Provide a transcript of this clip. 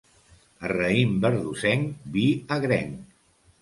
A raïm verdosenc, vi agrenc.